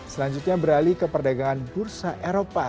selanjutnya beralih ke perdagangan bursa eropa